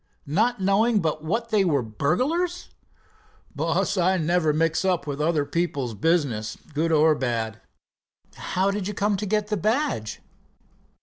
not knowing but what they were burglars?" "Boss, I never mix up with other people's business, good or bad." "How did you come to get the badge?"